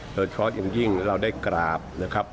โดยเฉพาะอย่างยิ่งเราได้กราบนะครับ